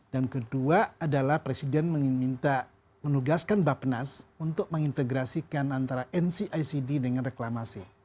dan kedua adalah presiden minta menugaskan bapnas untuk mengintegrasikan antara ncicd dengan reklamasi